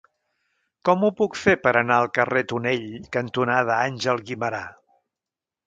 Com ho puc fer per anar al carrer Tonell cantonada Àngel Guimerà?